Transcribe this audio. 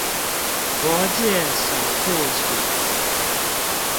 魔戒首部曲